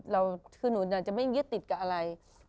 เราคือหนูน่าจะไม่เยี่ยดติดกับอะไร